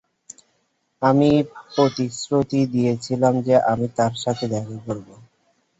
আমি প্রতিশ্রতি দিয়েছিলাম যে আমি তার সাথে দেখা করবো।